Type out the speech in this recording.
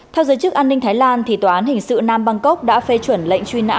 theo giới chức an ninh thái lan tòa án hình sự nam bangkok đã phê chuẩn lệnh truy nã